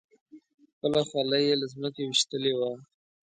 خپله خولۍ یې له ځمکې ویشتلې وه.